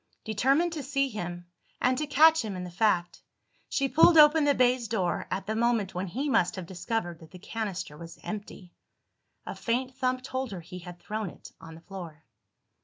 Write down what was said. Determined to see him, and to catch him in the fact, she pulled open the baize door at the moment when he must have discovered that the canister was empty. A faint thump told her he had thrown it on the floor.